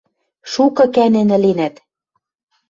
Шукы кӓнен ӹленӓт.